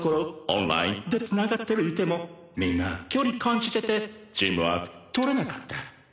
オンラインでつながってるいってもみんな距離感じててチームワーク取れなかった。